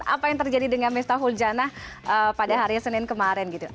apa yang terjadi dengan mifta mordjana pada hari senin kemarin